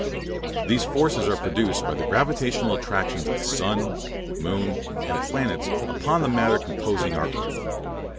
These forces are produced by the gravitational attractions of the sun, moon, and planets upon the matter composing our earth.